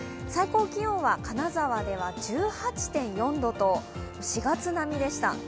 最高気温は金沢では１８．４度と４月並みでした。